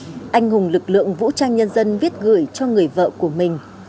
hôm nay anh hùng lực lượng vũ trang nhân dân viết gửi cho người vợ của mình